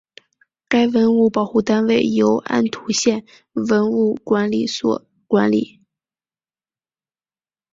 该文物保护单位由安图县文物管理所管理。